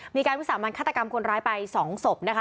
มีการวิสามันฆาตกรรมคนร้ายไป๒ศพนะคะ